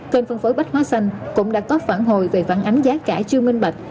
kênh phân phối bách hóa xanh cũng đã có phản hồi về phản ánh giá cả chưa minh bạch